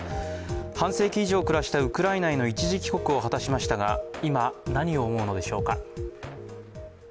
半世紀以上暮らしたウクライナへの一時帰国を果たしましたが、今、何を思うのでしょうか。